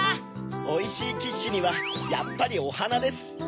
おいしいキッシュにはやっぱりおはなです！